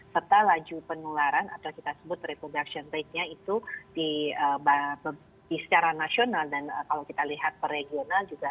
serta laju penularan atau kita sebut reproduction rate nya itu secara nasional dan kalau kita lihat per regional juga